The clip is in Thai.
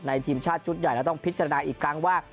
ทีมชาติชุดใหญ่แล้วต้องพิจารณาอีกครั้งว่า